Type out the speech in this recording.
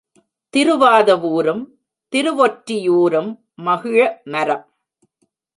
திருவாதவூரும் திருவொற்றியூரும் மகிழமரம்.